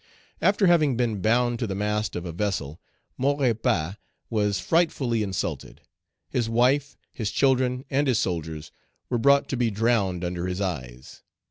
After having been bound to the mast of a vessel, Maurepas was frightfully insulted. His wife, his children, and his soldiers were brought to be drowned under his eyes.